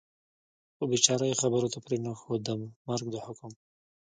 خو بېچاره یې خبرو ته پرېنښود، د مرګ د حکم.